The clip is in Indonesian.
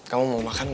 kamu mau makan gak